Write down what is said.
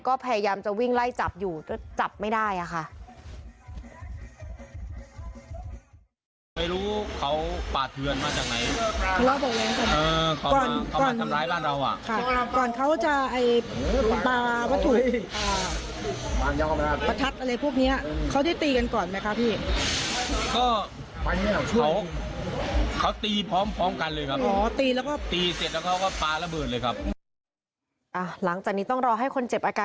ก็พยายามจะวิ่งไล่จับอยู่จับไม่ได้ค่ะ